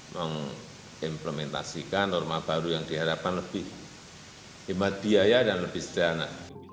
mengimplementasikan norma baru yang diharapkan lebih hemat biaya dan lebih sederhana